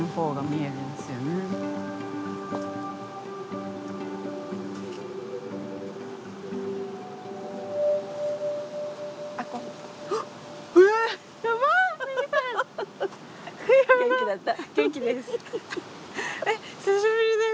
えっ久しぶりです。